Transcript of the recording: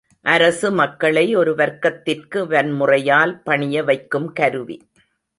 அரசு மக்களை ஒரு வர்க்கத்திற்கு வன்முறையால் பணிய வைக்கும் கருவி.